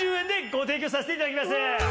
ご提供させていただきます。